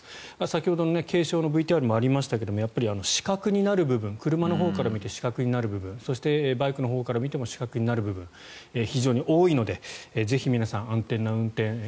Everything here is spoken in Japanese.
先ほどの検証のＶＴＲもありましたけど死角になる部分車のほうから見て死角になる部分そしてバイクのほうから見ても死角になる部分非常に多いのでぜひ皆さん安全な運転を